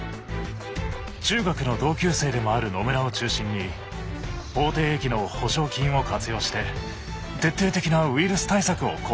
中学の同級生でもある野邨を中心に口てい疫の補償金を活用して徹底的なウイルス対策を講じました。